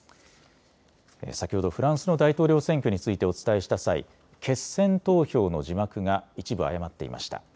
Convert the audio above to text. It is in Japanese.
先ほどフランスの大統領選挙についてお伝えした際、決選投票の字幕が一部誤っていました。